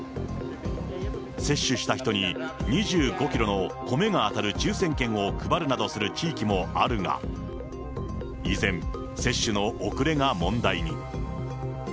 接種した人に、２５キロの米が当たる抽せん券を配るなどする地域もあるが、依然、接種の遅れが問題に。